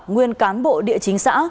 nguyên cán bộ địa chính xã